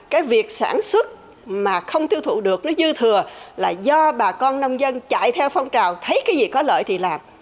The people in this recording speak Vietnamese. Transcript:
cái việc sản xuất mà không tiêu thụ được nó dư thừa là do bà con nông dân chạy theo phong trào thấy cái gì có lợi thì làm